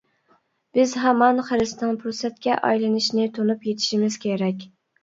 بىز ھامان خىرىسنىڭ پۇرسەتكە ئايلىنىشىنى تونۇپ يېتىشىمىز كېرەك.